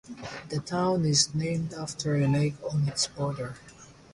The town is named after a lake on its border.